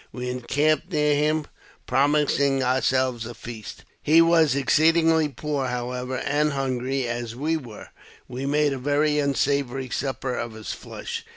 We encamped near him, promising ourselves a feast. He was exceedingly poor, however, and, hungry as we were, we made a very unsavoury supper off his flesh.